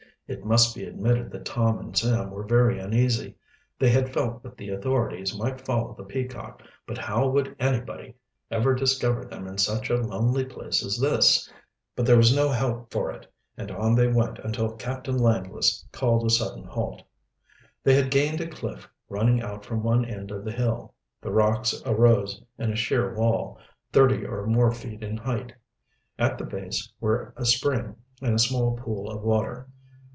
It must be admitted that Tom and Sam were very uneasy. They had felt that the authorities might follow the Peacock, but how would anybody ever discover them in such a lonely place as this? But there was no help for it, and on they went until Captain Langless called a sudden halt. They had gained a cliff running out from one end of the hill. The rocks arose in a sheer wall, thirty or more feet in height. At the base were a spring and a small pool of water.